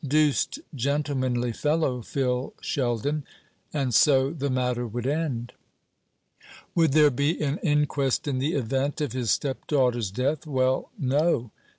Deuced gentlemanly fellow, Phil Sheldon." And so the matter would end. Would there be an inquest in the event of his stepdaughter's death? Well, no.